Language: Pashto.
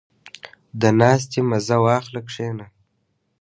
• د ناستې مزه واخله، کښېنه.